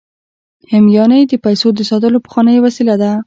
همیانۍ د پیسو د ساتلو پخوانۍ وسیله ده